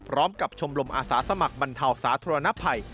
กับชมรมอาสาสมัครบรรเทาสาธารณภัย